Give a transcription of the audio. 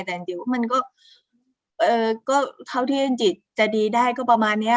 แต่จิตก็เท่าที่ฉันจิตจะดีได้ก็ประมาณเนี่ย